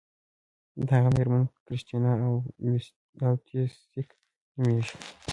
د هغه میرمن کریستینا اویتیسیکا نومیږي.